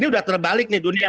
ini udah terbalik nih dunia